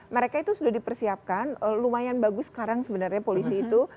mereka itu sudah dipersiapkan lumayan bagus sekarang sebenarnya polisi itu